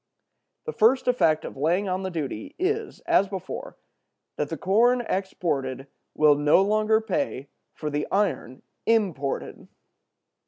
The first effect of laying on the duty is, as before, that the corn exported will no longer pay for the iron imported.